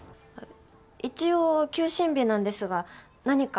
一応休診日なんですが何か？